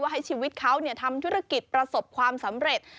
ให้ชีวิตเขาทำธุรกิจประสบความสำเร็จ